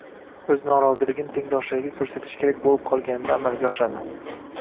o‘z noroziligini tengdoshlariga ko‘rsatish kerak bo‘lib qolganida amalga oshadi.